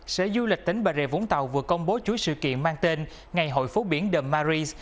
sở du lịch tỉnh bà rệ vũng tàu vừa công bố chuỗi sự kiện mang tên ngày hội phố biển the maris